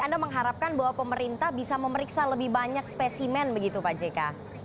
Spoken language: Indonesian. anda mengharapkan bahwa pemerintah bisa memeriksa lebih banyak spesimen begitu pak jk